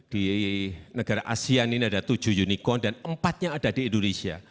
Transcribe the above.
di negara asean ini ada tujuh unicorn dan empatnya ada di indonesia